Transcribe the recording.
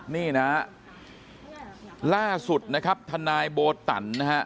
นี่นะฮะล่าสุดนะครับทนายโบตันนะฮะ